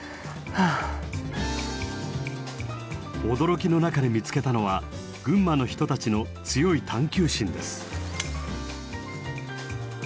驚きの中で見つけたのは群馬の人たちの強い探求心です。